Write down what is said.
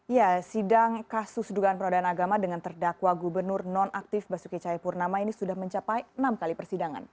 ya sidang kasus dugaan penodaan agama dengan terdakwa gubernur non aktif basuki cahayapurnama ini sudah mencapai enam kali persidangan